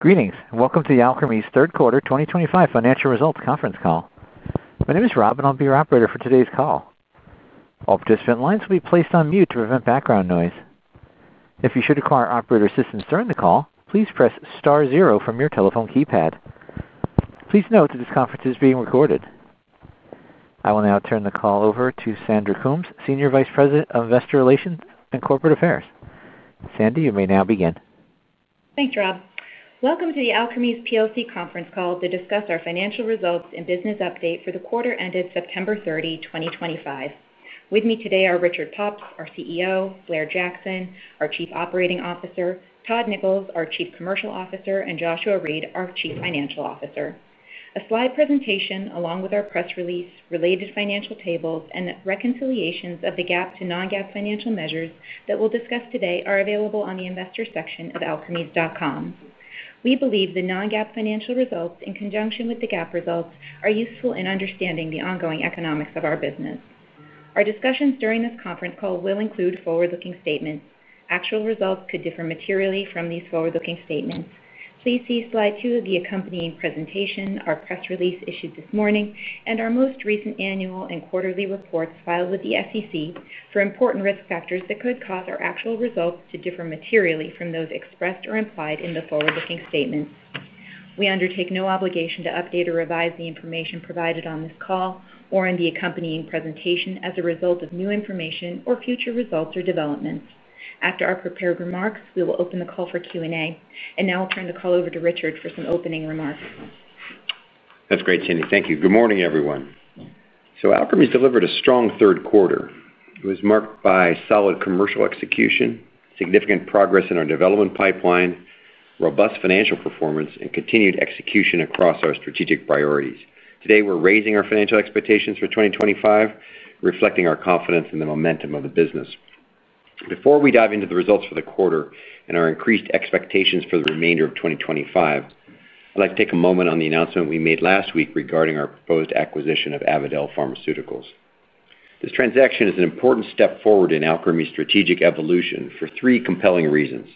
Greetings. Welcome to the Alkermes third quarter 2025 financial results conference call. My name is Rob, and I'll be your operator for today's call. All participant lines will be placed on mute to prevent background noise. If you should require operator assistance during the call, please press star zero from your telephone keypad. Please note that this conference is being recorded. I will now turn the call over to Sandra Coombs, Senior Vice President of Investor Relations and Corporate Affairs. Sandy, you may now begin. Thanks, Rob. Welcome to the Alkermes plc conference call to discuss our financial results and business update for the quarter ended September 30, 2025. With me today are Richard Pops, our CEO, Blair Jackson, our Chief Operating Officer, Todd Nichols, our Chief Commercial Officer, and Joshua Reid, our Chief Financial Officer. A slide presentation along with our press release, related financial tables, and reconciliations of the GAAP to non-GAAP financial measures that we'll discuss today are available on the investor section of Alkermes.com. We believe the non-GAAP financial results in conjunction with the GAAP results are useful in understanding the ongoing economics of our business. Our discussions during this conference call will include forward-looking statements. Actual results could differ materially from these forward-looking statements. Please see slide two of the accompanying presentation, our press release issued this morning, and our most recent annual and quarterly reports filed with the SEC for important risk factors that could cause our actual results to differ materially from those expressed or implied in the forward-looking statements. We undertake no obligation to update or revise the information provided on this call or in the accompanying presentation as a result of new information or future results or developments. After our prepared remarks, we will open the call for Q&A. Now I'll turn the call over to Richard for some opening remarks. That's great, Sandy. Thank you. Good morning, everyone. Alkermes delivered a strong third quarter. It was marked by solid commercial execution, significant progress in our development pipeline, robust financial performance, and continued execution across our strategic priorities. Today, we're raising our financial expectations for 2025, reflecting our confidence in the momentum of the business. Before we dive into the results for the quarter and our increased expectations for the remainder of 2025, I'd like to take a moment on the announcement we made last week regarding our proposed acquisition of Avadel Pharmaceuticals. This transaction is an important step forward in Alkermes' strategic evolution for three compelling reasons.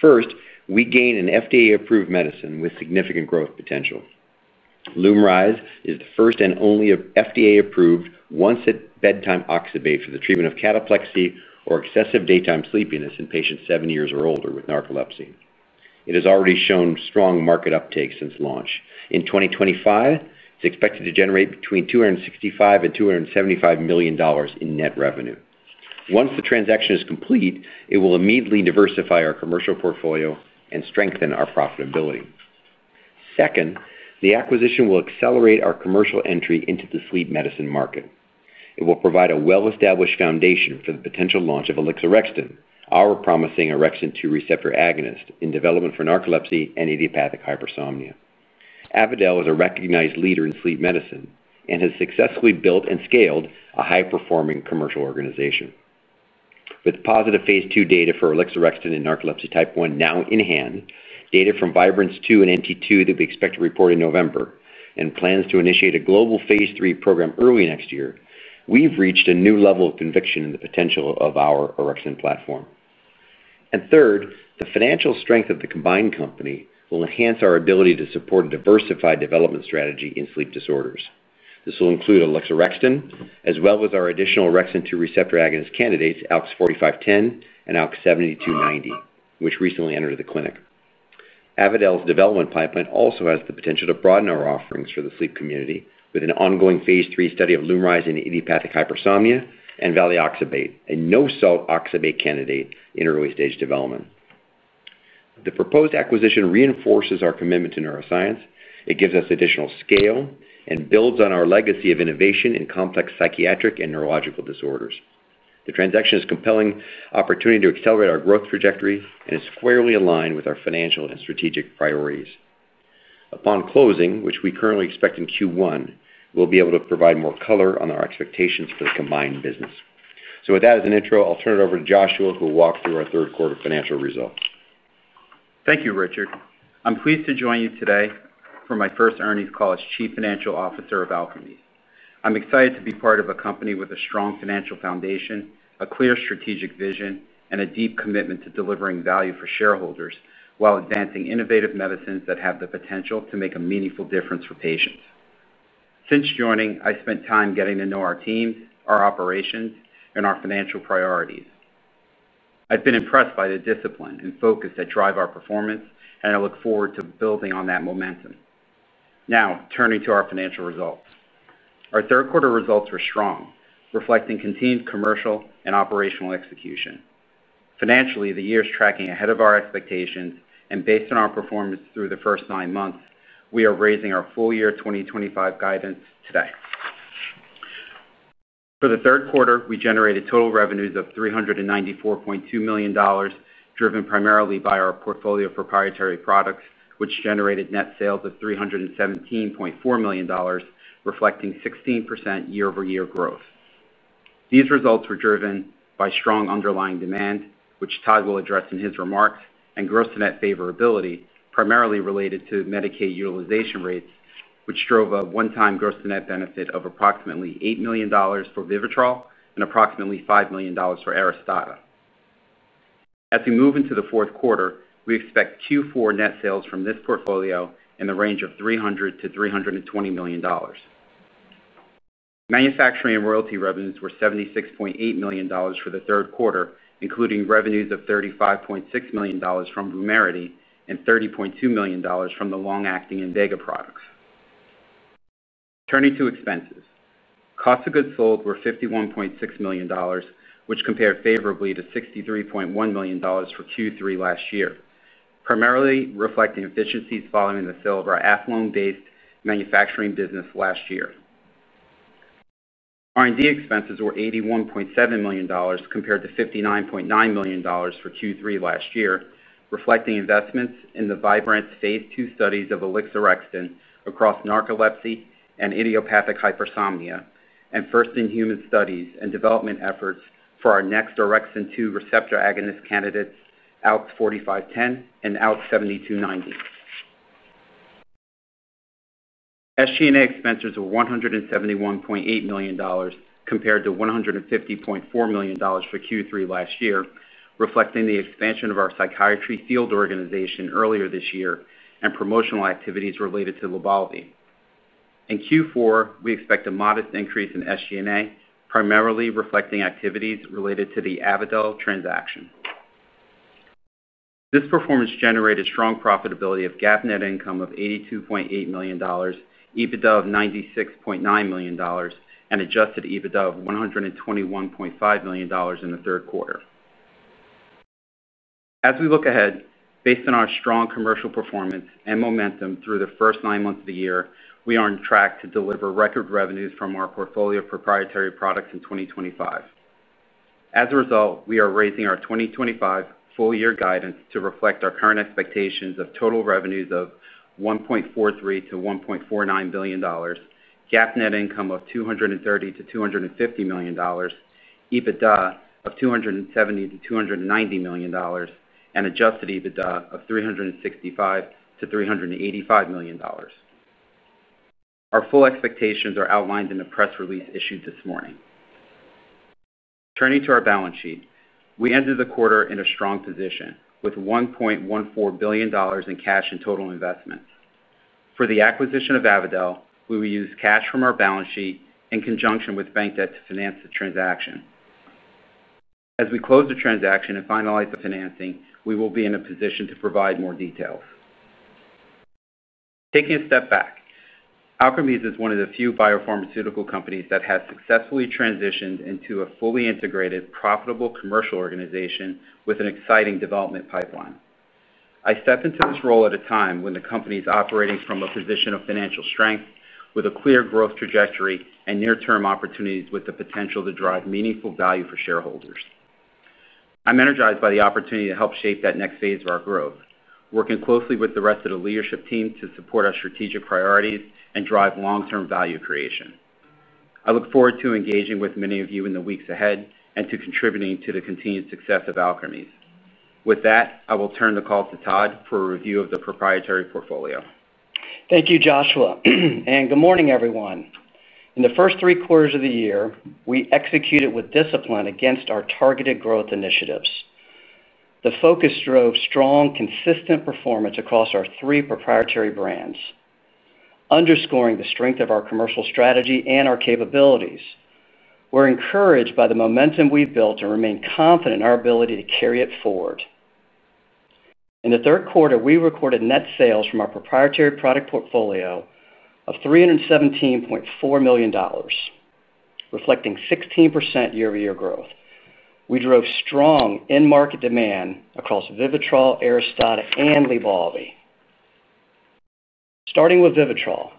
First, we gain an FDA-approved medicine with significant growth potential. Lumryz is the first and only FDA-approved once-at-bedtime oxybate for the treatment of cataplexy or excessive daytime sleepiness in patients seven years or older with narcolepsy. It has already shown strong market uptake since launch. In 2025, it's expected to generate between $265 million and $275 million in net revenue. Once the transaction is complete, it will immediately diversify our commercial portfolio and strengthen our profitability. Second, the acquisition will accelerate our commercial entry into the sleep medicine market. It will provide a well-established foundation for the potential launch of Elixerextant, our promising orexin-2 receptor agonist in development for narcolepsy and idiopathic hypersomnia. Avadel is a recognized leader in sleep medicine and has successfully built and scaled a high-performing commercial organization. With positive phase two data for Elixerextant in narcolepsy type 1 now in hand, data from Vibrance II and NT2 that we expect to report in November, and plans to initiate a global phase three program early next year, we've reached a new level of conviction in the potential of our orexin platform. Third, the financial strength of the combined company will enhance our ability to support a diversified development strategy in sleep disorders. This will include Elixerextant, as well as our additional orexin-2 receptor agonist candidates, AUX4510 and AUX7290, which recently entered the clinic. Avadel's development pipeline also has the potential to broaden our offerings for the sleep community with an ongoing phase three study of Lumryz in idiopathic hypersomnia and valioxabate, a no-salt oxybate candidate in early-stage development. The proposed acquisition reinforces our commitment to neuroscience. It gives us additional scale and builds on our legacy of innovation in complex psychiatric and neurological disorders. The transaction is a compelling opportunity to accelerate our growth trajectory and is squarely aligned with our financial and strategic priorities. Upon closing, which we currently expect in Q1, we'll be able to provide more color on our expectations for the combined business. With that as an intro, I'll turn it over to Joshua, who will walk through our third quarter financial results. Thank you, Richard. I'm pleased to join you today for my first earnings call as Chief Financial Officer of Alkermes. I'm excited to be part of a company with a strong financial foundation, a clear strategic vision, and a deep commitment to delivering value for shareholders while advancing innovative medicines that have the potential to make a meaningful difference for patients. Since joining, I spent time getting to know our teams, our operations, and our financial priorities. I've been impressed by the discipline and focus that drive our performance, and I look forward to building on that momentum. Now, turning to our financial results. Our 1/3 quarter results were strong, reflecting continued commercial and operational execution. Financially, the year's tracking ahead of our expectations, and based on our performance through the first nine months, we are raising our full-year 2025 guidance today. For the third quarter, we generated total revenues of $394.2 million, driven primarily by our portfolio proprietary products, which generated net sales of $317.4 million, reflecting 16% year-over-year growth. These results were driven by strong underlying demand, which Todd will address in his remarks, and gross-to-net favorability, primarily related to Medicaid utilization rates, which drove a one-time gross-to-net benefit of approximately $8 million for Vivitrol and approximately $5 million for Aristada. As we move into the fourth quarter, we expect Q4 net sales from this portfolio in the range of $300million-$320 million. Manufacturing and royalty revenues were $76.8 million for the third quarter, including revenues of $35.6 million from Lumryz and $30.2 million from the long-acting Invega products. Turning to expenses, cost of goods sold were $51.6 million, which compared favorably to $63.1 million for Q3 last year, primarily reflecting efficiencies following the sale of our Athlone-based manufacturing business last year. R&D expenses were $81.7 million, compared to $59.9 million for Q3 last year, reflecting investments in the Vibrance phase two studies of Elixerextant across narcolepsy and idiopathic hypersomnia, and first-in-human studies and development efforts for our next orexin-2 receptor agonist candidates, AUX4510 and AUX7290. SG&A expenses were $171.8 million, compared to $150.4 million for Q3 last year, reflecting the expansion of our psychiatry field organization earlier this year and promotional activities related to Lybalvi. In Q4, we expect a modest increase in SG&A, primarily reflecting activities related to the Avadel transaction. This performance generated strong profitability of GAAP net income of $82.8 million, EBITDA of $96.9 million, and adjusted EBITDA of $121.5 million in the 1/3 quarter. As we look ahead, based on our strong commercial performance and momentum through the first nine months of the year, we are on track to deliver record revenues from our portfolio of proprietary products in 2025. As a result, we are raising our 2025 full-year guidance to reflect our current expectations of total revenues of $1.43billion-$1.49 billion, GAAP net income of $230-$250 million, EBITDA of $270-$290 million, and adjusted EBITDA of $365-$385 million. Our full expectations are outlined in the press release issued this morning. Turning to our balance sheet, we entered the quarter in a strong position with $1.14 billion in cash and total investments. For the acquisition of Avadel, we will use cash from our balance sheet in conjunction with bank debt to finance the transaction. As we close the transaction and finalize the financing, we will be in a position to provide more details. Taking a step back, Alkermes is one of the few biopharmaceutical companies that has successfully transitioned into a fully integrated, profitable commercial organization with an exciting development pipeline. I stepped into this role at a time when the company's operating from a position of financial strength, with a clear growth trajectory and near-term opportunities with the potential to drive meaningful value for shareholders. I'm energized by the opportunity to help shape that next phase of our growth, working closely with the rest of the leadership team to support our strategic priorities and drive long-term value creation. I look forward to engaging with many of you in the weeks ahead and to contributing to the continued success of Alkermes. With that, I will turn the call to Todd for a review of the proprietary portfolio. Thank you, Joshua, and good morning, everyone. In the first three quarters of the year, we executed with discipline against our targeted growth initiatives. The focus drove strong, consistent performance across our three proprietary brands, underscoring the strength of our commercial strategy and our capabilities. We're encouraged by the momentum we've built and remain confident in our ability to carry it forward. In the 1/3 quarter, we recorded net sales from our proprietary product portfolio of $317.4 million, reflecting 16% year-over-year growth. We drove strong in-market demand across Vivitrol, Aristada, and Lybalvi. Starting with Vivitrol,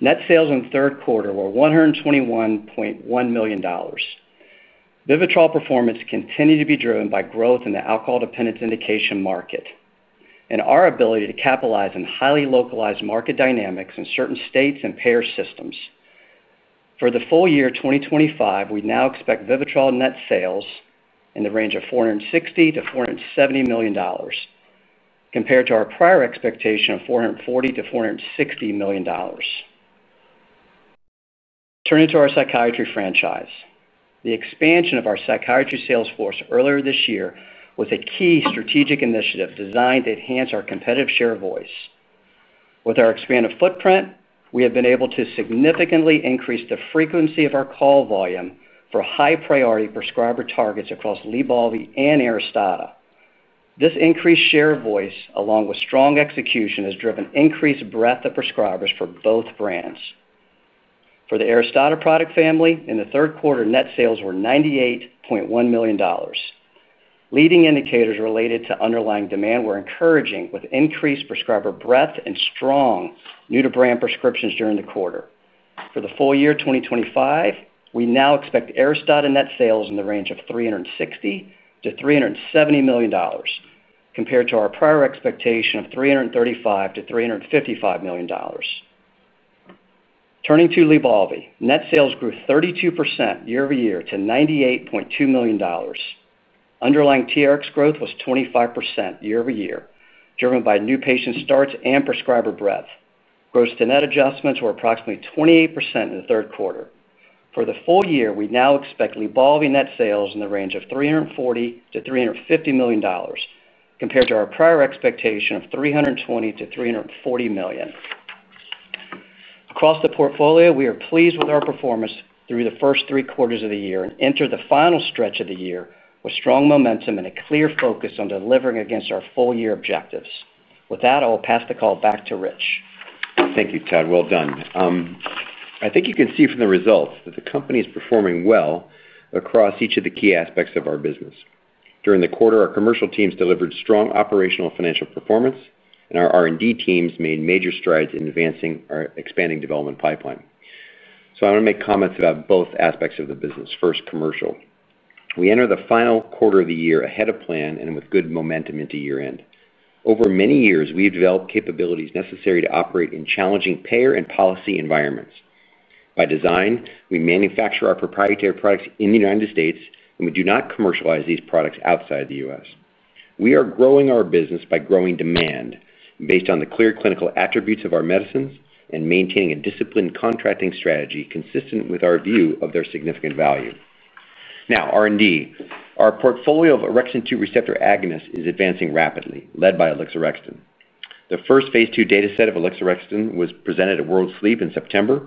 net sales in the third quarter were $121.1 million. Vivitrol performance continued to be driven by growth in the alcohol dependence indication market and our ability to capitalize on highly localized market dynamics in certain states and payer systems. For the full year 2025, we now expect Vivitrol net sales in the range of $460-$470 million, compared to our prior expectation of $440-$460 million. Turning to our psychiatry franchise, the expansion of our psychiatry sales force earlier this year was a key strategic initiative designed to enhance our competitive share of voice. With our expanded footprint, we have been able to significantly increase the frequency of our call volume for high-priority prescriber targets across Lybalvi and Aristada. This increased share of voice, along with strong execution, has driven increased breadth of prescribers for both brands. For the Aristada product family, in the 1/3 quarter, net sales were $98.1 million. Leading indicators related to underlying demand were encouraging, with increased prescriber breadth and strong new-to-brand prescriptions during the quarter. For the full year 2025, we now expect Aristada net sales in the range of $360-$370 million, compared to our prior expectation of $335-$355 million. Turning to Lybalvi, net sales grew 32% year-over-year to $98.2 million. Underlying TRX growth was 25% year-over-year, driven by new patient starts and prescriber breadth. Gross-to-net adjustments were approximately 28% in the third quarter. For the full year, we now expect Lybalvi net sales in the range of $340-$350 million, compared to our prior expectation of $320-$340 million. Across the portfolio, we are pleased with our performance through the first three quarters of the year and entered the final stretch of the year with strong momentum and a clear focus on delivering against our full-year objectives. With that, I will pass the call back to Rich. Thank you, Todd. Well done. I think you can see from the results that the company is performing well across each of the key aspects of our business. During the quarter, our commercial teams delivered strong operational and financial performance, and our R&D teams made major strides in advancing our expanding development pipeline. I want to make comments about both aspects of the business. First, commercial. We entered the final quarter of the year ahead of plan and with good momentum into year-end. Over many years, we've developed capabilities necessary to operate in challenging payer and policy environments. By design, we manufacture our proprietary products in the U.S., and we do not commercialize these products outside the U.S. We are growing our business by growing demand based on the clear clinical attributes of our medicines and maintaining a disciplined contracting strategy consistent with our view of their significant value. Now, R&D. Our portfolio of orexin-2 receptor agonists is advancing rapidly, led by Elixerextant. The first phase 2 data set of Elixerextant was presented at World Sleep in September.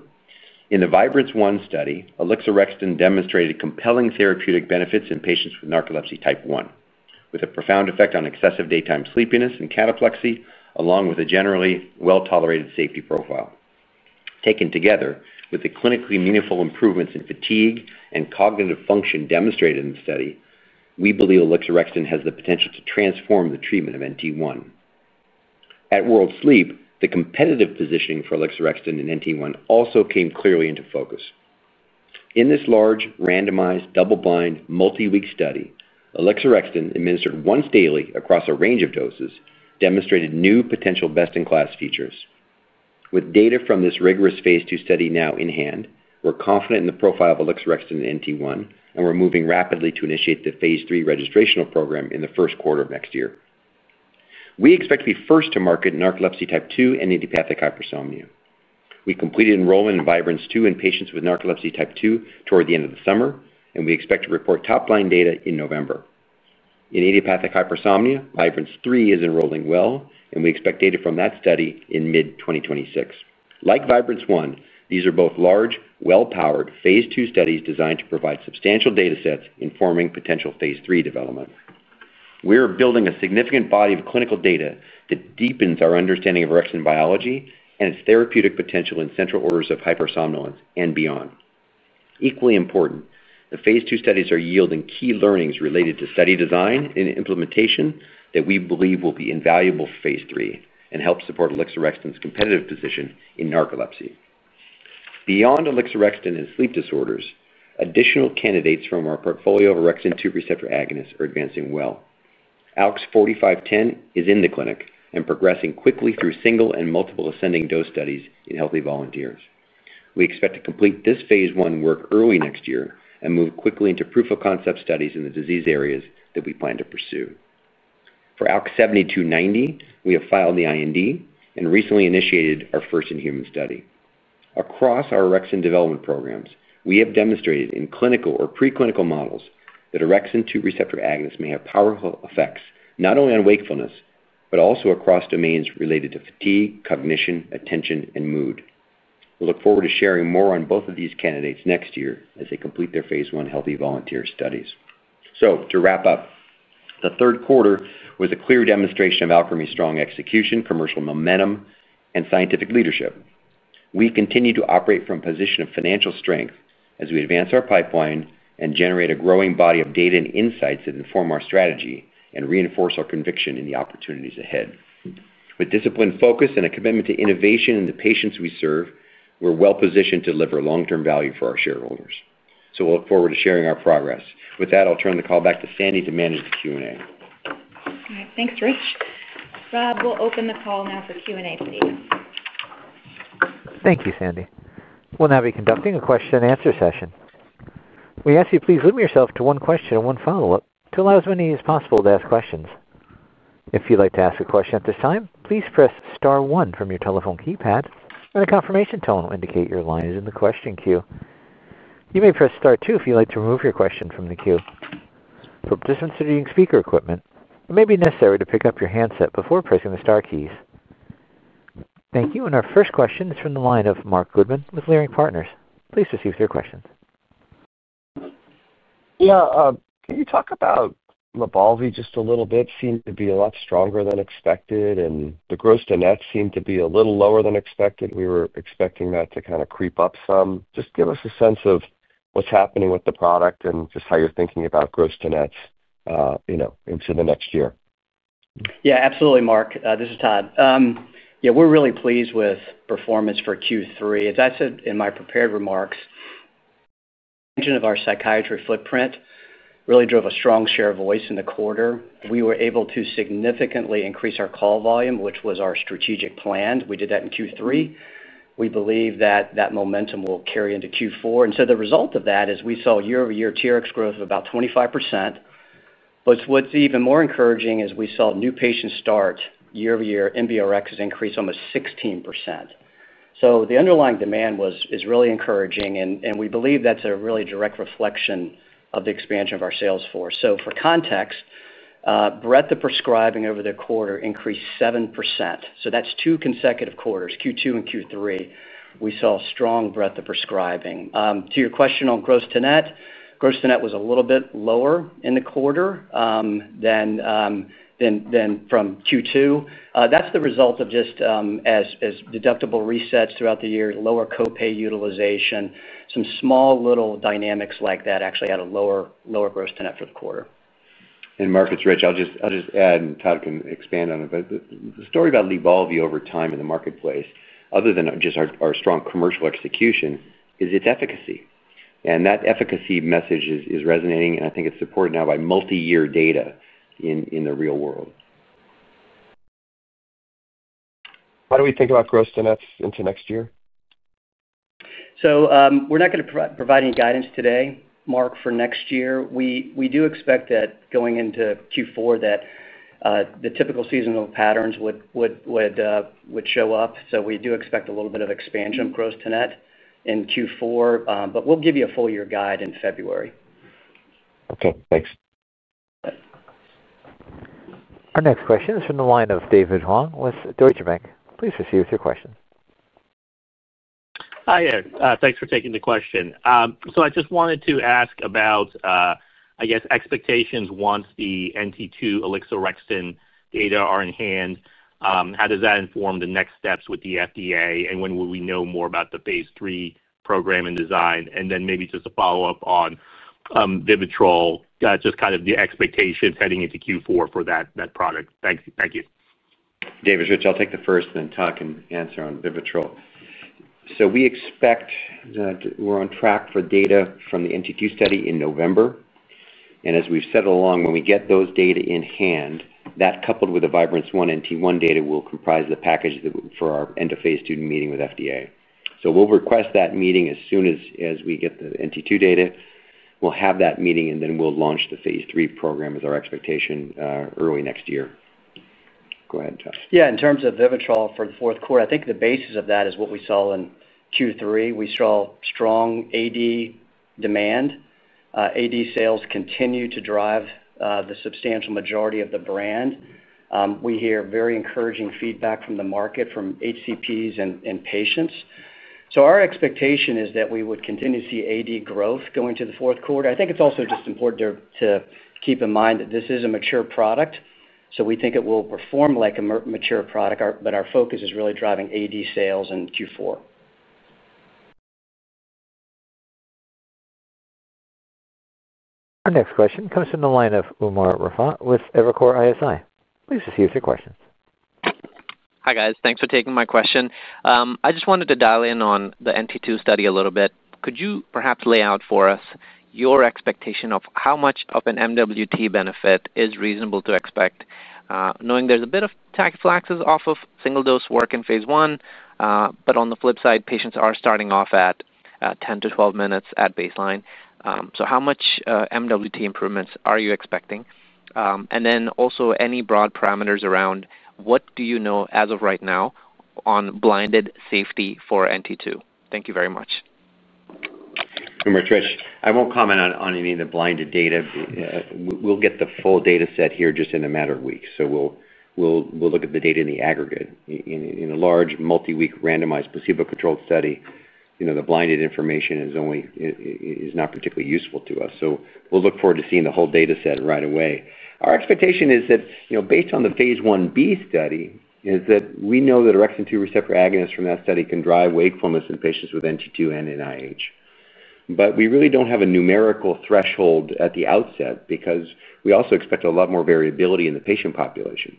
In the Vibrance I study, Elixerextant demonstrated compelling therapeutic benefits in patients with narcolepsy type 1, with a profound effect on excessive daytime sleepiness and cataplexy, along with a generally well-tolerated safety profile. Taken together with the clinically meaningful improvements in fatigue and cognitive function demonstrated in the study, we believe Elixerextant has the potential to transform the treatment of NT1. At World Sleep, the competitive positioning for Elixerextant in NT1 also came clearly into focus. In this large, randomized, double-blind, multi-week study, Elixerextant administered once daily across a range of doses demonstrated new potential best-in-class features. With data from this rigorous phase two study now in hand, we're confident in the profile of Elixerextant in NT1, and we're moving rapidly to initiate the phase three registrational program in the first quarter of next year. We expect to be first to market narcolepsy type two and idiopathic hypersomnia. We completed enrollment in Vibrance II in patients with narcolepsy type two toward the end of the summer, and we expect to report top-line data in November. In idiopathic hypersomnia, Vibrance III is enrolling well, and we expect data from that study in mid-2026. Like Vibrance I, these are both large, well-powered phase two studies designed to provide substantial data sets informing potential phase three development. We are building a significant body of clinical data that deepens our understanding of orexin biology and its therapeutic potential in central orders of hypersomnolence and beyond. Equally important, the phase two studies are yielding key learnings related to study design and implementation that we believe will be invaluable for phase three and help support Elixerextant's competitive position in narcolepsy. Beyond Elixerextant in sleep disorders, additional candidates from our portfolio of orexin-2 receptor agonists are advancing well. AUX4510 is in the clinic and progressing quickly through single and multiple ascending dose studies in healthy volunteers. We expect to complete this phase one work early next year and move quickly into proof-of-concept studies in the disease areas that we plan to pursue. For AUX7290, we have filed the IND and recently initiated our first in-human study. Across our orexin development programs, we have demonstrated in clinical or preclinical models that orexin-2 receptor agonists may have powerful effects not only on wakefulness but also across domains related to fatigue, cognition, attention, and mood. We look forward to sharing more on both of these candidates next year as they complete their phase one healthy volunteer studies. To wrap up, the third quarter was a clear demonstration of Alkermes' strong execution, commercial momentum, and scientific leadership. We continue to operate from a position of financial strength as we advance our pipeline and generate a growing body of data and insights that inform our strategy and reinforce our conviction in the opportunities ahead. With disciplined focus and a commitment to innovation in the patients we serve, we're well-positioned to deliver long-term value for our shareholders. We look forward to sharing our progress. With that, I'll turn the call back to Sandy to manage the Q&A. All right. Thanks, Rich. Rob, we'll open the call now for Q&A, please. Thank you, Sandy. We'll now be conducting a question and answer session. We ask that you please limit yourself to one question and one follow-up to allow as many as possible to ask questions. If you'd like to ask a question at this time, please press star one from your telephone keypad, and a confirmation tone will indicate your line is in the question queue. You may press star two if you'd like to remove your question from the queue. For participants who are using speaker equipment, it may be necessary to pick up your handset before pressing the star keys. Thank you. Our first question is from the line of Mark Goodwin with Leerink Partners. Please proceed with your questions. Yeah. Can you talk about Lybalvi just a little bit? It seemed to be a lot stronger than expected, and the gross-to-net seemed to be a little lower than expected. We were expecting that to kind of creep up some. Just give us a sense of what's happening with the product and just how you're thinking about gross-to-nets into the next year. Yeah, absolutely, Mark. This is Todd. Yeah, we're really pleased with performance for Q3. As I said in my prepared remarks, the expansion of our psychiatry footprint really drove a strong share of voice in the quarter. We were able to significantly increase our call volume, which was our strategic plan. We did that in Q3. We believe that that momentum will carry into Q4. The result of that is we saw year-over-year TRX growth of about 25%. What's even more encouraging is we saw new patients start year-over-year MVRX increase almost 16%. The underlying demand is really encouraging, and we believe that's a really direct reflection of the expansion of our sales force. For context, breadth of prescribing over the quarter increased 7%. That's two consecutive quarters, Q2 and Q3, we saw strong breadth of prescribing. To your question on gross-to-net, gross-to-net was a little bit lower in the quarter than from Q2. That's the result of just as deductible resets throughout the year, lower copay utilization, some small little dynamics like that actually had a lower gross-to-net for the quarter. Mark, it's Rich. I'll just add, and Todd can expand on it, the story about Lybalvi over time in the marketplace, other than just our strong commercial execution, is its efficacy. That efficacy message is resonating, and I think it's supported now by multi-year data in the real world. What do we think about gross-to-net into next year? We're not going to provide any guidance today, Mark, for next year. We do expect that going into Q4 the typical seasonal patterns would show up. We do expect a little bit of expansion of gross-to-net in Q4, but we'll give you a full-year guide in February. Okay, thanks. Our next question is from the line of David Huang with Deutsche Bank. Please proceed with your question. Hi, all. Thanks for taking the question. I just wanted to ask about, I guess, expectations once the NT2 Elixerextant data are in hand. How does that inform the next steps with the FDA? When will we know more about the phase three program and design? Maybe just a follow-up on Vivitrol, just kind of the expectations heading into Q4 for that product. Thank you. David, it's Rich. I'll take the first and then Todd can answer on Vivitrol. We expect that we're on track for data from the NT2 study in November. As we've said all along, when we get those data in hand, that coupled with the Vibrance I NT1 data will comprise the package for our end-of-phase student meeting with the FDA. We'll request that meeting as soon as we get the NT2 data. We'll have that meeting, and then we'll launch the phase three program as our expectation early next year. Go ahead, Todd. Yeah, in terms of Vivitrol for the fourth quarter, I think the basis of that is what we saw in Q3. We saw strong AD demand. AD sales continue to drive the substantial majority of the brand. We hear very encouraging feedback from the market, from HCPs and patients. Our expectation is that we would continue to see AD growth going into the fourth quarter. I think it's also just important to keep in mind that this is a mature product. We think it will perform like a mature product, but our focus is really driving AD sales in Q4. Our next question comes from the line of Omar Rafat with Evercore ISI. Please proceed with your questions. Hi guys, thanks for taking my question. I just wanted to dial in on the NT2 study a little bit. Could you perhaps lay out for us your expectation of how much of an MWT benefit is reasonable to expect, knowing there's a bit of tachyphylaxis off of single-dose work in phase 1, but on the flip side, patients are starting off at 10-12 minutes at baseline? How much MWT improvements are you expecting? Also, any broad parameters around what do you know as of right now on blinded safety for NT2? Thank you very much. It is Rich, I won't comment on any of the blinded data. We'll get the full data set here just in a matter of weeks. We'll look at the data in the aggregate. In a large multi-week randomized placebo-controlled study, the blinded information is not particularly useful to us. We'll look forward to seeing the whole data set right away. Our expectation is that, based on the phase 1b study, we know that orexin-2 receptor agonists from that study can drive wakefulness in patients with narcolepsy type two and idiopathic hypersomnia. We really don't have a numerical threshold at the outset because we also expect a lot more variability in the patient population.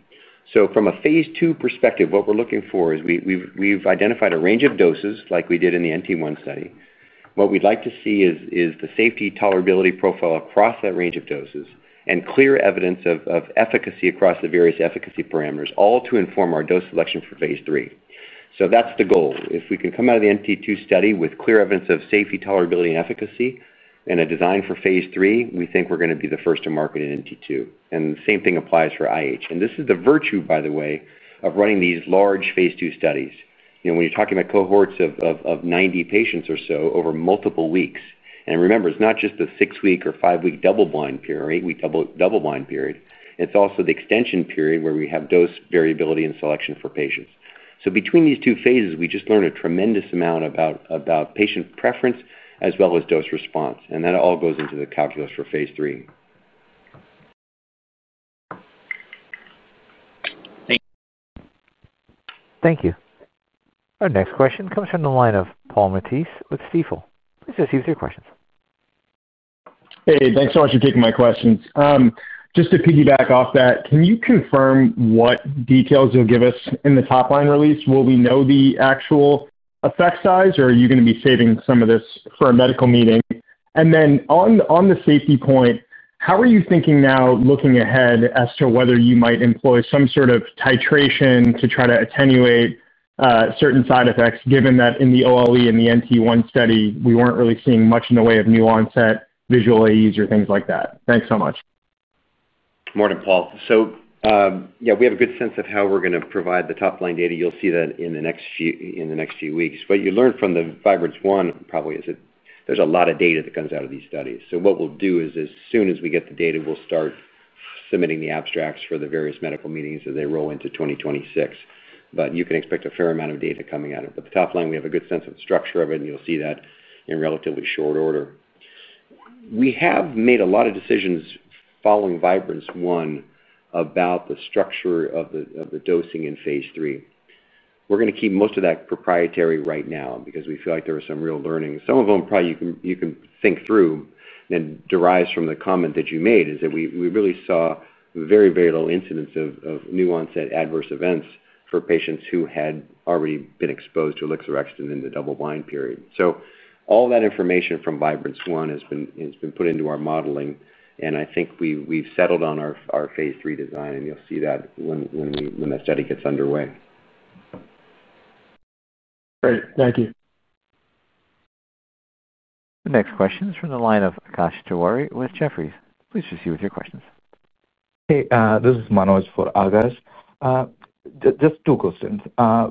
From a phase two perspective, what we're looking for is we've identified a range of doses like we did in the narcolepsy type one study. What we'd like to see is the safety tolerability profile across that range of doses and clear evidence of efficacy across the various efficacy parameters, all to inform our dose selection for phase three. That's the goal. If we can come out of the narcolepsy type two study with clear evidence of safety, tolerability, and efficacy and a design for phase three, we think we're going to be the first to market in narcolepsy type two. The same thing applies for idiopathic hypersomnia. This is the virtue, by the way, of running these large phase two studies. When you're talking about cohorts of 90 patients or so over multiple weeks, and remember, it's not just the six-week or five-week double-blind period or eight-week double-blind period. It's also the extension period where we have dose variability and selection for patients. Between these two phases, we just learn a tremendous amount about patient preference as well as dose response. That all goes into the calculus for phase three. Thank you. Our next question comes from the line of Paul Matisse with Stifel. Please proceed with your questions. Hey, thanks so much for taking my questions. Just to piggyback off that, can you confirm what details you'll give us in the top-line release? Will we know the actual effect size, or are you going to be saving some of this for a medical meeting? On the safety point, how are you thinking now looking ahead as to whether you might employ some sort of titration to try to attenuate certain side effects, given that in the OLE and the NT1 study, we weren't really seeing much in the way of new onset visual AEs or things like that? Thanks so much. Morning, Paul. Yeah, we have a good sense of how we're going to provide the top-line data. You'll see that in the next few weeks. What you learn from the Vibrance I probably is that there's a lot of data that comes out of these studies. What we'll do is as soon as we get the data, we'll start submitting the abstracts for the various medical meetings as they roll into 2026. You can expect a fair amount of data coming out of it. The top line, we have a good sense of the structure of it, and you'll see that in relatively short order. We have made a lot of decisions following Vibrance I about the structure of the dosing in phase three. We're going to keep most of that proprietary right now because we feel like there were some real learnings. Some of them probably you can think through and derive from the comment that you made is that we really saw very, very little incidence of new onset adverse events for patients who had already been exposed to Elixerextant in the double-blind period. All that information from Vibrance I has been put into our modeling, and I think we've settled on our phase three design, and you'll see that when that study gets underway. Great, thank you. The next question is from the line of Akash Tiwari with Jefferies. Please proceed with your questions. Hey, this is Manoj for Akash. Just two questions.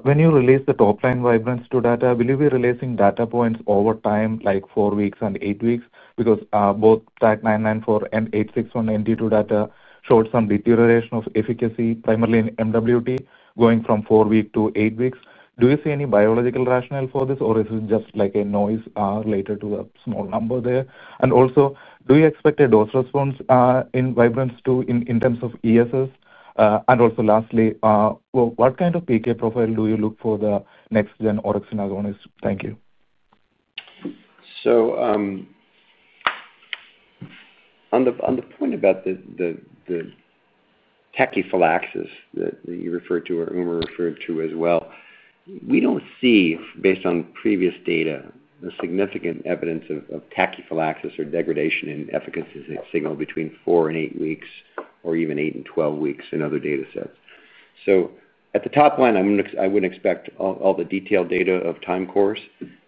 When you release the top-line Vibrance II data, will you be releasing data points over time, like four weeks and eight weeks? Both TAG994 and 861 NT2 data showed some deterioration of efficacy, primarily in MWT, going from four weeks to eight weeks. Do you see any biological rationale for this, or is it just like a noise related to the small number there? Do you expect a dose response in Vibrance II in terms of ESS? Lastly, what kind of PK profile do you look for the next-gen orexin-2 receptor agonist? Thank you. On the point about the tachyphylaxis that you referred to or Umar referred to as well, we don't see, based on previous data, significant evidence of tachyphylaxis or degradation in efficacy signal between four and eight weeks or even eight and 12 weeks in other data sets. At the top line, I wouldn't expect all the detailed data of time course,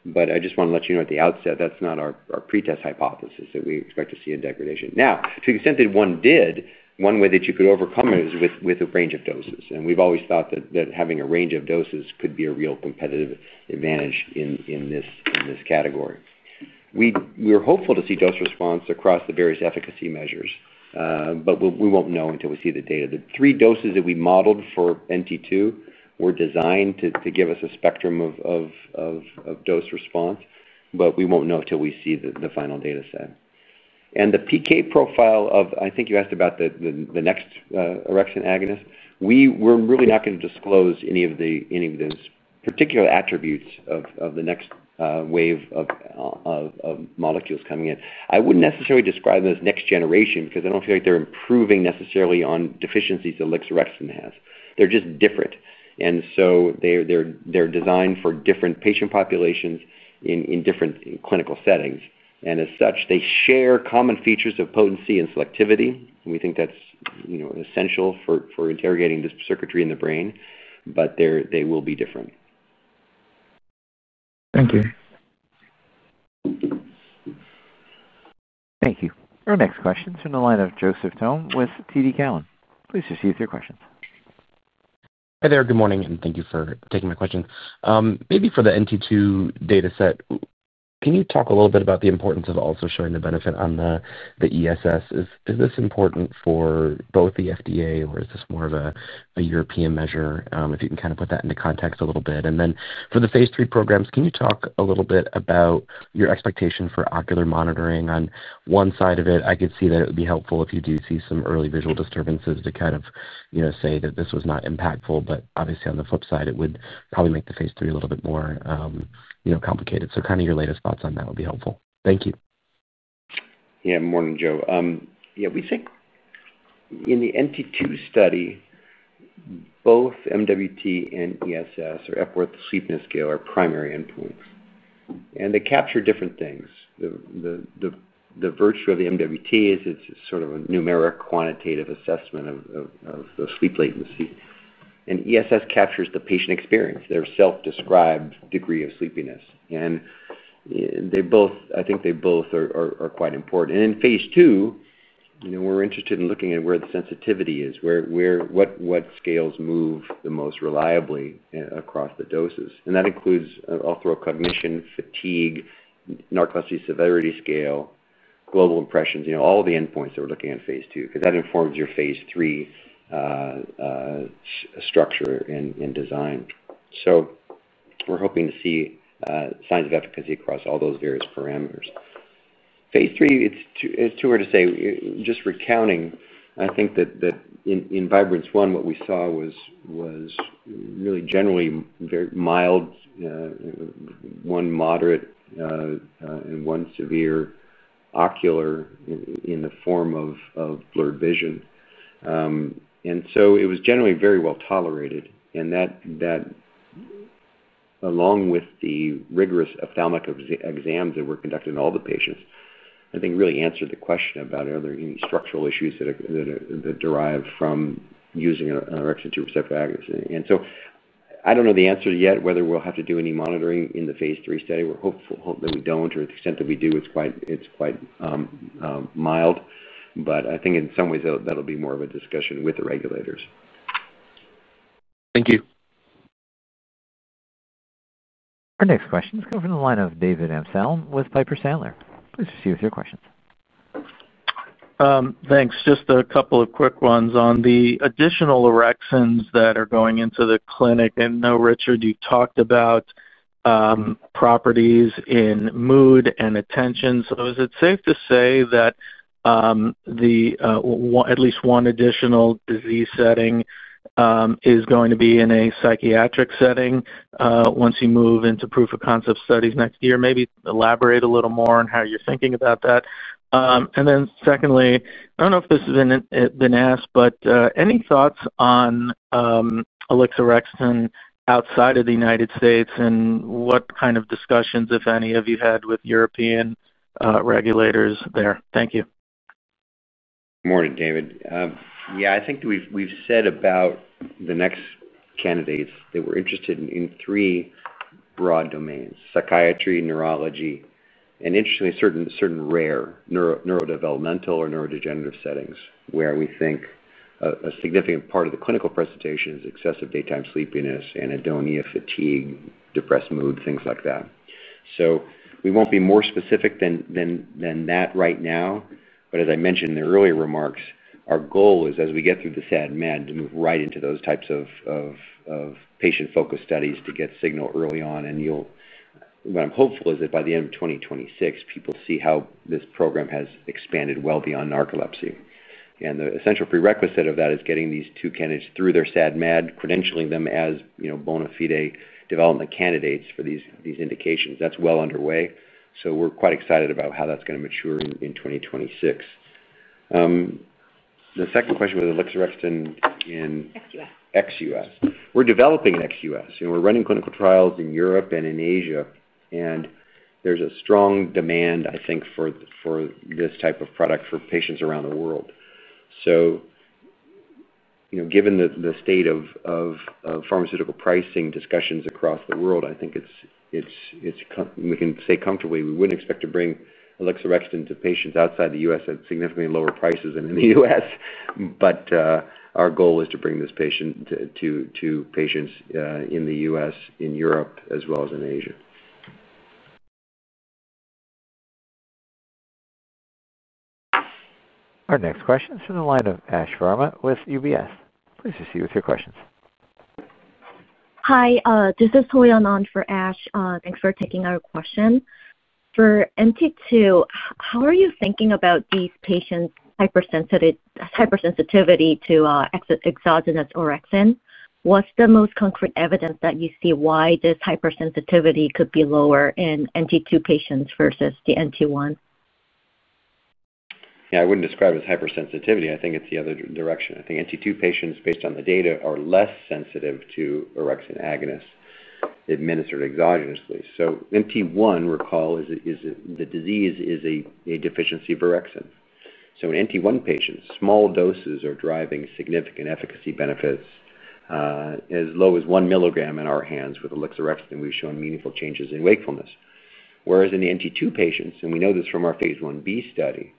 but I just want to let you know at the outset that's not our pretest hypothesis that we expect to see a degradation. To the extent that one did, one way that you could overcome it is with a range of doses. We've always thought that having a range of doses could be a real competitive advantage in this category. We were hopeful to see dose response across the various efficacy measures, but we won't know until we see the data. The three doses that we modeled for NT2 were designed to give us a spectrum of dose response, but we won't know until we see the final data set. The PK profile of, I think you asked about the next orexin-2 receptor agonist. We're really not going to disclose any of those particular attributes of the next wave of molecules coming in. I wouldn't necessarily describe them as next generation because I don't feel like they're improving necessarily on deficiencies that Elixerextant has. They're just different, and so they're designed for different patient populations in different clinical settings. As such, they share common features of potency and selectivity. We think that's essential for interrogating the circuitry in the brain, but they will be different. Thank you. Thank you. Our next question is from the line of Joseph Tome with TD Cowen. Please proceed with your questions. Good morning, and thank you for taking my question. Maybe for the NT2 data set, can you talk a little bit about the importance of also showing the benefit on the ESS? Is this important for both the FDA, or is this more of a European measure? If you can kind of put that into context a little bit. For the phase three programs, can you talk a little bit about your expectation for ocular monitoring on one side of it? I could see that it would be helpful if you do see some early visual disturbances to say that this was not impactful. Obviously, on the flip side, it would probably make the phase three a little bit more complicated. Your latest thoughts on that would be helpful. Thank you. Yeah, morning, Joe. We think in the NT2 study, both MWT and ESS or Epworth Sleepiness Scale are primary endpoints. They capture different things. The virtue of the MWT is it's sort of a numeric quantitative assessment of the sleep latency. ESS captures the patient experience, their self-described degree of sleepiness. They both, I think they both are quite important. In phase two, you know, we're interested in looking at where the sensitivity is, where what scales move the most reliably across the doses. That includes, I'll throw cognition, fatigue, narcolepsy severity scale, global impressions, all the endpoints that we're looking at in phase two because that informs your phase three structure and design. We're hoping to see signs of efficacy across all those various parameters. Phase three, it's too early to say. Just recounting, I think that in Vibrance I, what we saw was really generally very mild, one moderate, and one severe ocular in the form of blurred vision. It was generally very well tolerated. That, along with the rigorous ophthalmic exams that were conducted in all the patients, I think really answered the question about are there any structural issues that derive from using an orexin-2 receptor agonist. I don't know the answer yet whether we'll have to do any monitoring in the phase three study. We're hopeful that we don't, or the extent that we do, it's quite mild. I think in some ways that'll be more of a discussion with the regulators. Thank you. Our next question is coming from the line of David Amsalem with Piper Sandler. Please proceed with your questions. Thanks. Just a couple of quick ones on the additional orexins that are going into the clinic. I know, Richard, you talked about properties in mood and attention. Is it safe to say that at least one additional disease setting is going to be in a psychiatric setting once you move into proof-of-concept studies next year? Maybe elaborate a little more on how you're thinking about that. Secondly, I don't know if this has been asked, but any thoughts on Elixerextant outside of the U.S. and what kind of discussions, if any, have you had with European regulators there? Thank you. Morning, David. Yeah, I think we've said about the next candidates that we're interested in in three broad domains: psychiatry, neurology, and interestingly, certain rare neurodevelopmental or neurodegenerative settings where we think a significant part of the clinical presentation is excessive daytime sleepiness, anhedonia, fatigue, depressed mood, things like that. We won't be more specific than that right now. As I mentioned in the earlier remarks, our goal is as we get through the SADMAD to move right into those types of patient-focused studies to get signal early on. What I'm hopeful is that by the end of 2026, people see how this program has expanded well beyond narcolepsy. The essential prerequisite of that is getting these two candidates through their SADMAD, credentialing them as bona fide development candidates for these indications. That's well underway. We're quite excited about how that's going to mature in 2026. The second question was Elixerextant in ex-U.S. We're developing in ex-U.S., and we're running clinical trials in Europe and in Asia. There's a strong demand, I think, for this type of product for patients around the world. Given the state of pharmaceutical pricing discussions across the world, I think we can say comfortably we wouldn't expect to bring Elixerextant to patients outside the U.S. at significantly lower prices than in the U.S. Our goal is to bring this product to patients in the U.S., in Europe, as well as in Asia. Our next question is from the line of Ash Varma with UBS. Please proceed with your questions. Hi, this is Hoyanon for Ash Varma. Thanks for taking our question. For narcolepsy type two, how are you thinking about these patients' hypersensitivity to exogenous orexin? What's the most concrete evidence that you see why this hypersensitivity could be lower in narcolepsy type two patients versus the narcolepsy type one? Yeah, I wouldn't describe it as hypersensitivity. I think it's the other direction. I think NT2 patients, based on the data, are less sensitive to orexin-2 receptor agonists administered exogenously. NT1, recall, is the disease that is a deficiency of orexin. In NT1 patients, small doses are driving significant efficacy benefits. As low as 1 mg in our hands with Elixerextant, we've shown meaningful changes in wakefulness. Whereas in the NT2 patients, and we know this from our phase 1b study,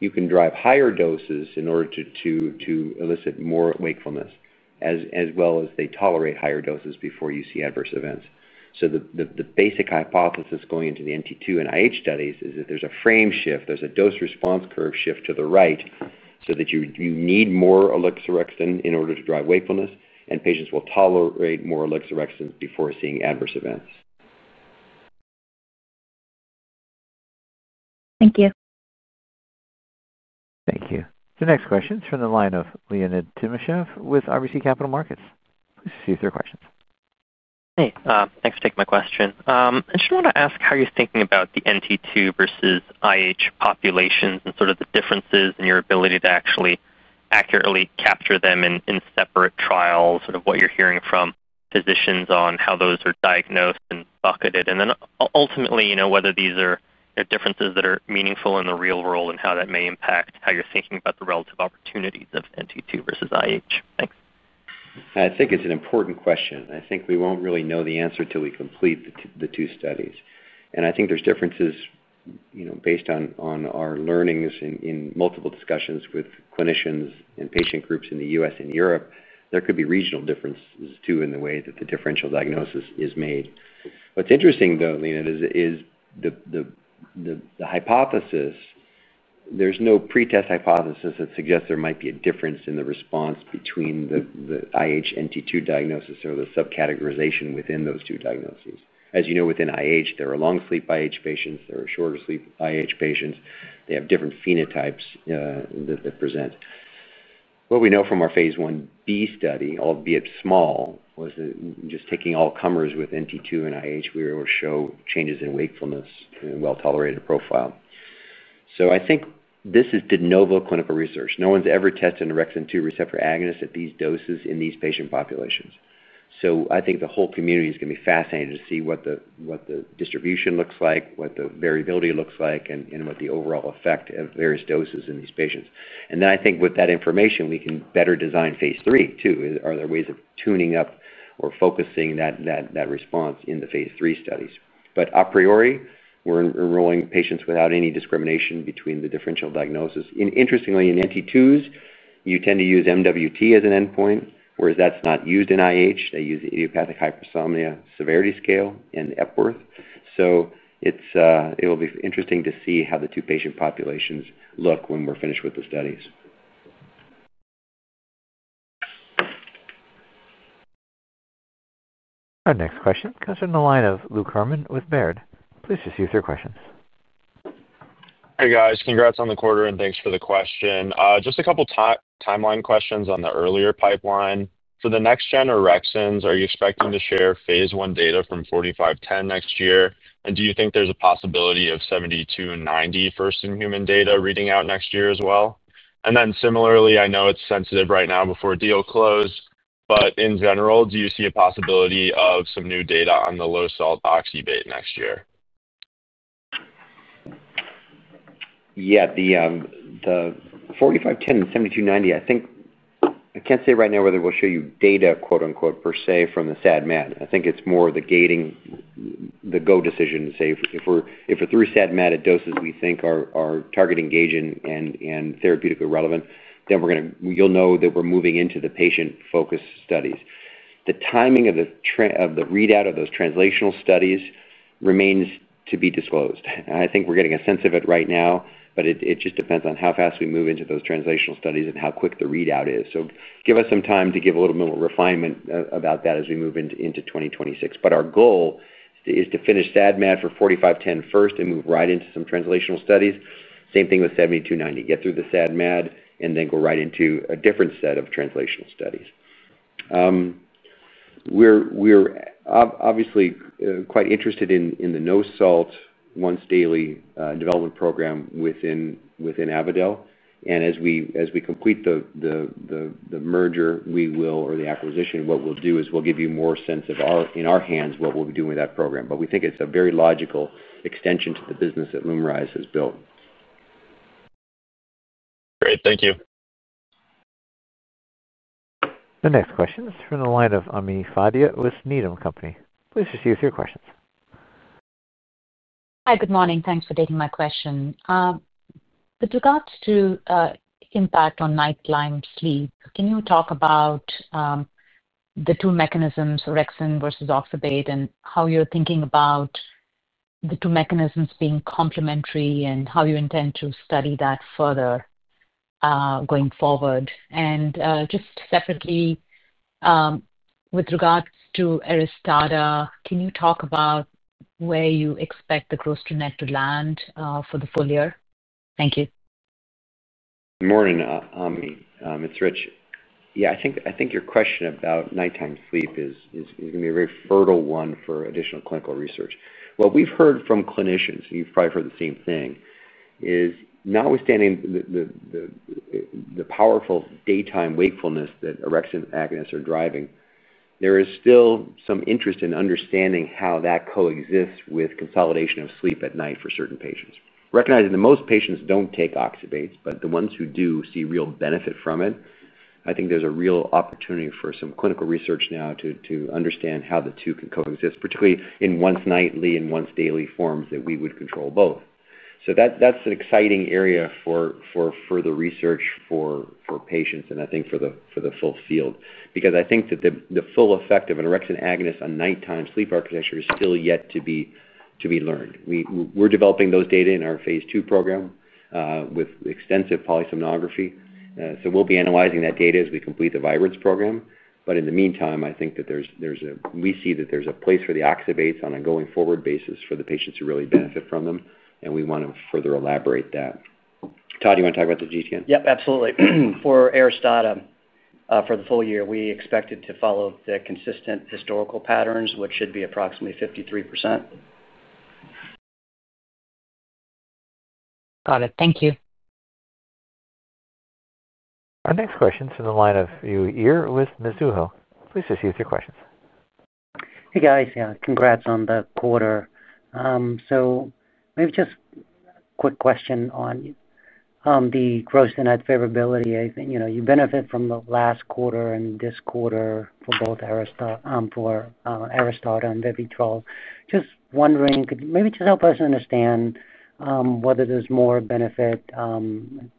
you can drive higher doses in order to elicit more wakefulness, as well as they tolerate higher doses before you see adverse events. The basic hypothesis going into the NT2 and idiopathic hypersomnia studies is that there's a frame shift, there's a dose response curve shift to the right, so that you need more Elixerextant in order to drive wakefulness, and patients will tolerate more Elixerextant before seeing adverse events. Thank you. Thank you. The next question is from the line of Leonid Timoshev with RBC Capital Markets. Please proceed with your questions. Hey, thanks for taking my question. I just want to ask how you're thinking about the NT2 versus IH populations and sort of the differences in your ability to actually accurately capture them in separate trials and what you're hearing from physicians on how those are diagnosed and bucketed. Ultimately, you know, whether these are differences that are meaningful in the real world and how that may impact how you're thinking about the relative opportunities of NT2 versus IH. Thanks. I think it's an important question. I think we won't really know the answer until we complete the two studies. I think there's differences, you know, based on our learnings in multiple discussions with clinicians and patient groups in the U.S. and Europe. There could be regional differences too in the way that the differential diagnosis is made. What's interesting though, Leonid, is the hypothesis, there's no pretest hypothesis that suggests there might be a difference in the response between the IH NT2 diagnosis or the subcategorization within those two diagnoses. As you know, within IH, there are long sleep IH patients, there are shorter sleep IH patients. They have different phenotypes that present. What we know from our phase 1b study, albeit small, was that just taking all comers with NT2 and IH, we were able to show changes in wakefulness and a well-tolerated profile. I think this is de novo clinical research. No one's ever tested an orexin-2 receptor agonist at these doses in these patient populations. I think the whole community is going to be fascinated to see what the distribution looks like, what the variability looks like, and what the overall effect of various doses in these patients. I think with that information, we can better design phase three too. Are there ways of tuning up or focusing that response in the phase three studies? A priori, we're enrolling patients without any discrimination between the differential diagnosis. Interestingly, in NT2s, you tend to use MWT as an endpoint, whereas that's not used in IH. They use the idiopathic hypersomnia severity scale and Epworth. It'll be interesting to see how the two patient populations look when we're finished with the studies. Our next question comes from the line of Lou Kerman with Baird. Please proceed with your questions. Hey guys, congrats on the quarter and thanks for the question. Just a couple timeline questions on the earlier pipeline. For the next-gen orexins, are you expecting to share phase 1 data from AUX4510 next year? Do you think there's a possibility of AUX7290 first in human data reading out next year as well? Similarly, I know it's sensitive right now before deal close, but in general, do you see a possibility of some new data on the low salt oxybate next year? Yeah, the 4510 and 7290, I think I can't say right now whether we'll show you "data" per se from the SADMAD. I think it's more the gating the go decision to say if we're through SADMAD at doses we think are target engaging and therapeutically relevant, then you'll know that we're moving into the patient-focused studies. The timing of the readout of those translational studies remains to be disclosed. I think we're getting a sense of it right now, but it just depends on how fast we move into those translational studies and how quick the readout is. Give us some time to give a little bit more refinement about that as we move into 2026. Our goal is to finish SADMAD for 4510 first and move right into some translational studies. Same thing with 7290. Get through the SADMAD and then go right into a different set of translational studies. We're obviously quite interested in the no salt once daily development program within Avadel Pharmaceuticals. As we complete the merger or the acquisition, what we'll do is we'll give you more sense of in our hands what we'll be doing with that program. We think it's a very logical extension to the business that Lumryz has built. Great, thank you. The next question is from the line of Amir Fadia with Needham Company. Please proceed with your questions. Hi, good morning. Thanks for taking my question. With regards to impact on nighttime sleep, can you talk about the two mechanisms, orexin versus oxybate, and how you're thinking about the two mechanisms being complementary and how you intend to study that further going forward? Just separately, with regards to Aristada, can you talk about where you expect the gross-to-net to land for the full year? Thank you. Good morning, Amir. It's Rich. I think your question about nighttime sleep is going to be a very fertile one for additional clinical research. What we've heard from clinicians, and you've probably heard the same thing, is notwithstanding the powerful daytime wakefulness that orexin agonists are driving, there is still some interest in understanding how that coexists with consolidation of sleep at night for certain patients. Recognizing that most patients don't take oxybates, but the ones who do see real benefit from it, I think there's a real opportunity for some clinical research now to understand how the two can coexist, particularly in once nightly and once daily forms that we would control both. That's an exciting area for further research for patients and I think for the full field because I think that the full effect of an orexin agonist on nighttime sleep architecture is still yet to be learned. We're developing those data in our phase two program with extensive polysomnography. We'll be analyzing that data as we complete the Vibrance program. In the meantime, I think that we see that there's a place for the oxybates on a going forward basis for the patients who really benefit from them, and we want to further elaborate that. Todd, do you want to talk about the GTN? Yep, absolutely. For Aristada, for the full year, we expect it to follow the consistent historical patterns, which should be approximately 53%. Got it. Thank you. Our next question is from the line of Yuri with Mizuho. Please proceed with your questions. Hey guys, congrats on the quarter. Maybe just a quick question on the gross-to-net favorability. You benefit from the last quarter and this quarter for both Aristada and Vivitrol. Just wondering, could you maybe just help us understand whether there's more benefit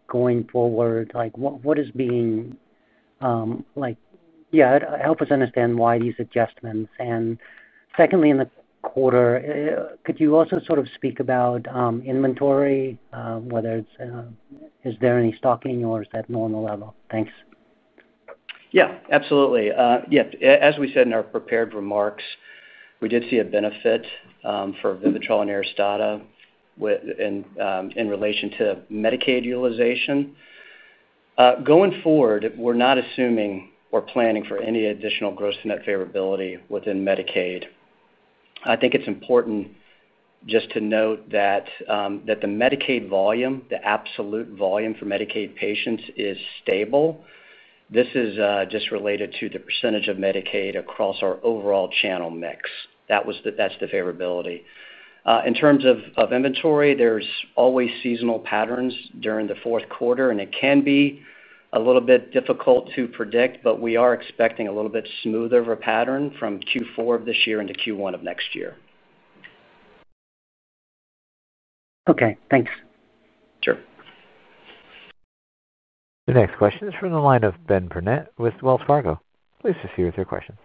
going forward? What is being, help us understand why these adjustments. Secondly, in the quarter, could you also sort of speak about inventory, whether it's, is there any stocking or is that normal level? Thanks. Yeah, absolutely. As we said in our prepared remarks, we did see a benefit for Vivitrol and Aristada in relation to Medicaid utilization. Going forward, we're not assuming or planning for any additional gross-to-net favorability within Medicaid. I think it's important just to note that the Medicaid volume, the absolute volume for Medicaid patients, is stable. This is just related to the percentage of Medicaid across our overall channel mix. That's the favorability. In terms of inventory, there's always seasonal patterns during the fourth quarter, and it can be a little bit difficult to predict, but we are expecting a little bit smoother of a pattern from Q4 of this year into Q1 of next year. Okay, thanks. Sure. The next question is from the line of Ben Burnett with Wells Fargo. Please proceed with your questions.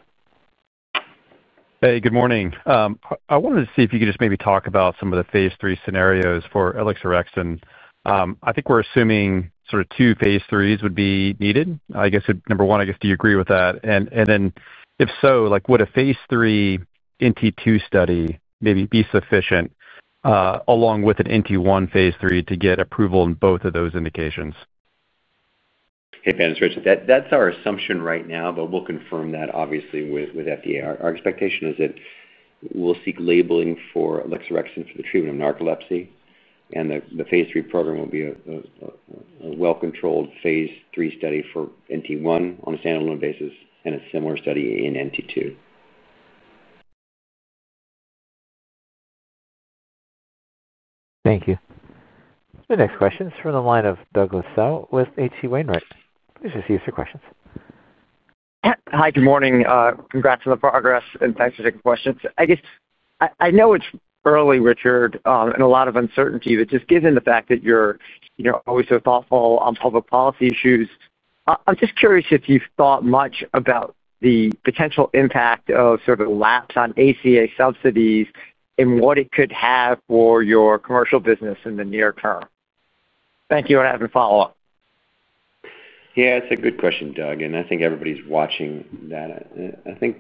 Hey, good morning. I wanted to see if you could just maybe talk about some of the phase three scenarios for Elixerextant. I think we're assuming sort of two phase threes would be needed. I guess, number one, do you agree with that? If so, would a phase three NT2 study maybe be sufficient, along with an NT1 phase three to get approval in both of those indications? Hey Ben, it's Rich. That's our assumption right now, but we'll confirm that obviously with FDA. Our expectation is that we'll seek labeling for Elixerextant for the treatment of narcolepsy, and the phase three program will be a well-controlled phase three study for NT1 on a standalone basis and a similar study in NT2. Thank you. The next question is from the line of Douglas Tsao with H.C. Wainwright. Please proceed with your questions. Hi, good morning. Congrats on the progress and thanks for taking questions. I guess I know it's early, Richard, and a lot of uncertainty, but just given the fact that you're always so thoughtful on public policy issues, I'm just curious if you've thought much about the potential impact of sort of the lapse on ACA subsidies and what it could have for your commercial business in the near term. Thank you, and I haven't followed up. Yeah, it's a good question, Doug, and I think everybody's watching that. I think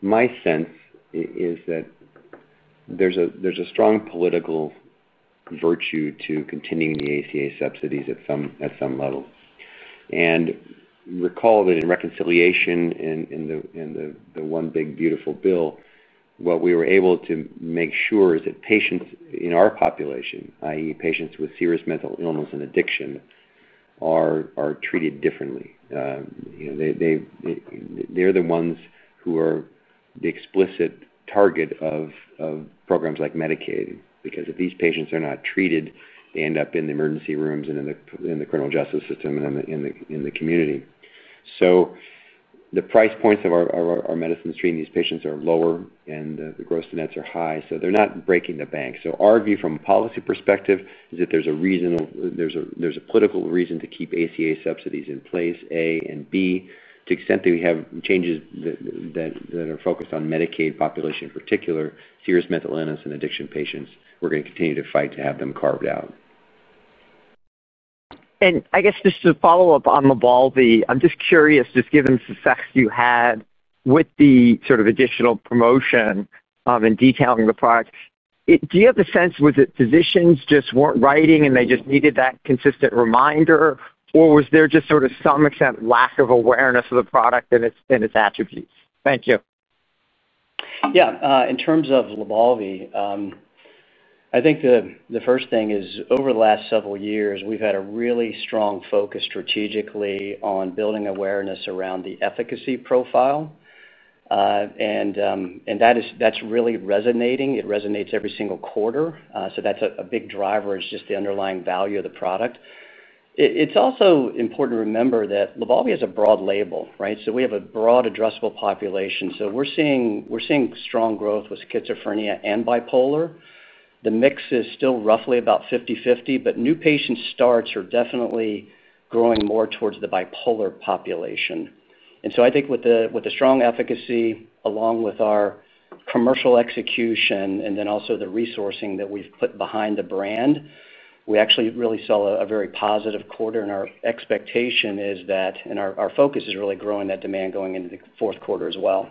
my sense is that there's a strong political virtue to continuing the ACA subsidies at some level. Recall that in reconciliation and the one big beautiful bill, what we were able to make sure is that patients in our population, i.e., patients with serious mental illness and addiction, are treated differently. They're the ones who are the explicit target of programs like Medicaid because if these patients are not treated, they end up in the emergency rooms, in the criminal justice system, and in the community. The price points of our medicines treating these patients are lower, and the gross-to-net adjustments are high, so they're not breaking the bank. Our view from a policy perspective is that there's a reasonable, there's a political reason to keep ACA subsidies in place, A, and B, to the extent that we have changes that are focused on Medicaid population in particular, serious mental illness and addiction patients, we're going to continue to fight to have them carved out. Just to follow up on the wall, I'm just curious, just given the success you had with the sort of additional promotion and detailing the product, do you have a sense was it physicians just weren't writing and they just needed that consistent reminder, or was there just sort of some extent lack of awareness of the product and its attributes? Thank you. Yeah, in terms of Lybalvi, I think the first thing is over the last several years, we've had a really strong focus strategically on building awareness around the efficacy profile, and that's really resonating. It resonates every single quarter. That's a big driver. It's just the underlying value of the product. It's also important to remember that Lybalvi has a broad label, right? We have a broad addressable population. We're seeing strong growth with schizophrenia and bipolar. The mix is still roughly about 50/50, but new patient starts are definitely growing more towards the bipolar population. I think with the strong efficacy, along with our commercial execution, and also the resourcing that we've put behind the brand, we actually really saw a very positive quarter, and our expectation is that, and our focus is really growing that demand going into the fourth quarter as well.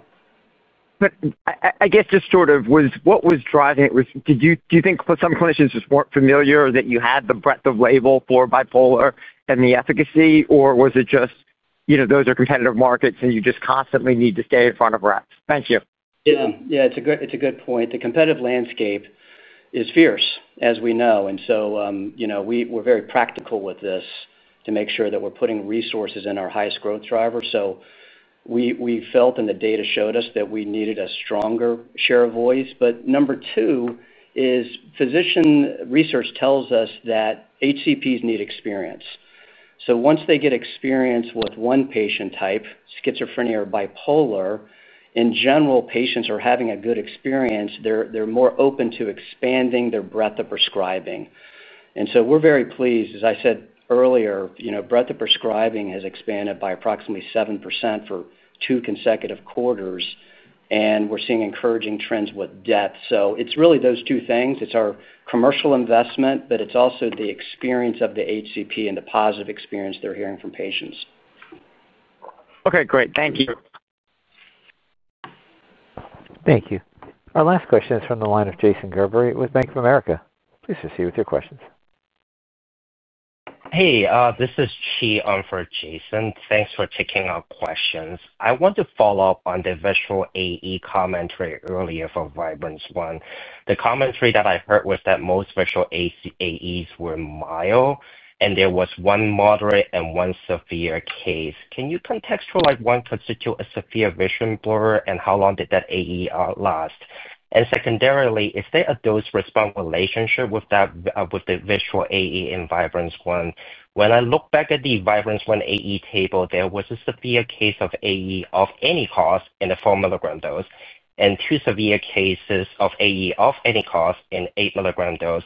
I guess just sort of what was driving it? Do you think some clinicians just weren't familiar or that you had the breadth of label for bipolar and the efficacy, or was it just, you know, those are competitive markets and you just constantly need to stay in front of reps? Thank you. Yeah, it's a good point. The competitive landscape is fierce, as we know. We're very practical with this to make sure that we're putting resources in our highest growth driver. We felt and the data showed us that we needed a stronger share of voice. Number two is physician research tells us that HCPs need experience. Once they get experience with one patient type, schizophrenia or bipolar, in general, patients are having a good experience. They're more open to expanding their breadth of prescribing. We're very pleased. As I said earlier, breadth of prescribing has expanded by approximately 7% for two consecutive quarters, and we're seeing encouraging trends with depth. It's really those two things. It's our commercial investment, but it's also the experience of the HCP and the positive experience they're hearing from patients. Okay, great. Thank you. Thank you. Our last question is from the line of Jason Gerber with Bank of America. Please proceed with your questions. Hey, this is Chi on for Jason. Thanks for taking our questions. I want to follow up on the visual AE commentary earlier for Vibrance I. The commentary that I heard was that most visual AEs were mild, and there was one moderate and one severe case. Can you contextualize one could sit through a severe vision blur and how long did that AE last? Secondarily, is there a dose response relationship with the visual AE in Vibrance I? When I look back at the Vibrance I AE table, there was a severe case of AE of any cause in a 4 mg dose and two severe cases of AE of any cause in an 8 mg dose.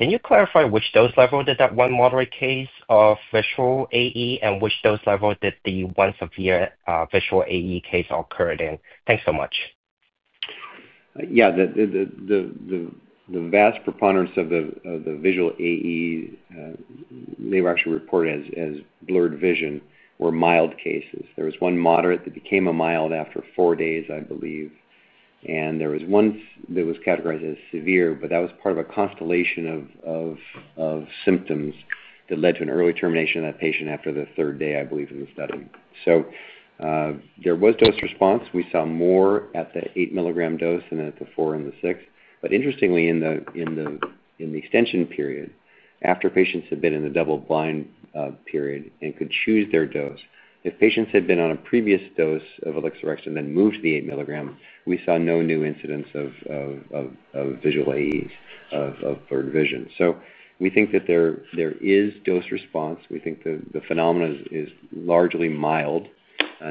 Can you clarify which dose level did that one moderate case of visual AE and which dose level did the one severe visual AE case occur in? Thanks so much. Yeah, the vast preponderance of the visual AEs, they were actually reported as blurred vision, were mild cases. There was one moderate that became a mild after four days, I believe. There was one that was categorized as severe, but that was part of a constellation of symptoms that led to an early termination of that patient after the third day, I believe, in the study. There was dose response. We saw more at the eight milligram dose than at the four and the six. Interestingly, in the extension period, after patients had been in the double-blind period and could choose their dose, if patients had been on a previous dose of Elixerextant and then moved to the eight milligram, we saw no new incidents of visual AEs of blurred vision. We think that there is dose response. We think the phenomenon is largely mild,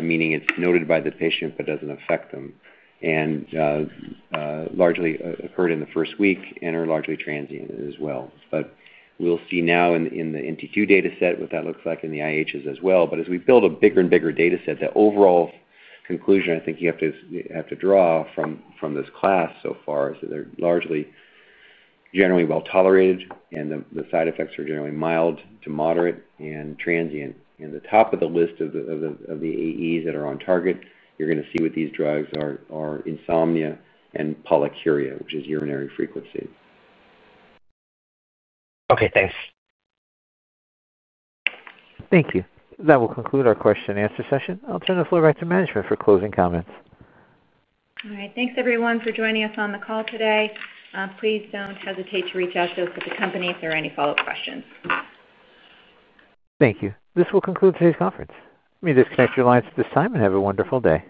meaning it's noted by the patient but doesn't affect them, and largely occurred in the first week and are largely transient as well. We'll see now in the NT2 data set what that looks like in the IHs as well. As we build a bigger and bigger data set, the overall conclusion I think you have to draw from this class so far is that they're largely generally well tolerated, and the side effects are generally mild to moderate and transient. At the top of the list of the AEs that are on target, you're going to see what these drugs are: insomnia and polycythemia, which is urinary frequency. Okay, thanks. Thank you. That will conclude our question and answer session. I'll turn the floor back to management for closing comments. All right, thanks everyone for joining us on the call today. Please don't hesitate to reach out to us at the company if there are any follow-up questions. Thank you. This will conclude today's conference. Let me disconnect your lines at this time and have a wonderful day.